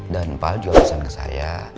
dan pak juga pesan ke saya